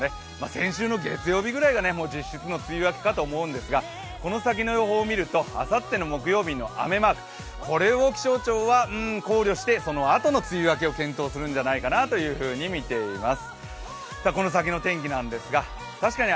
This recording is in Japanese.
先週の月曜日ぐらいが実質の梅雨明けかと思うんですが、この先の予報を見るとあさっての木曜日の雨マーク、これを気象庁は考慮して、このあとの梅雨明けを検討するんじゃないかなとみています。